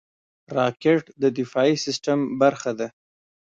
راکټ د دفاعي سیستم برخه ده